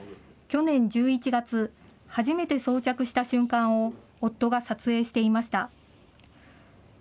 去年１１月、初めて装着した瞬間を、夫が撮影していました。